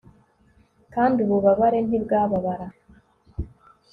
kandi ububabare ntibwababara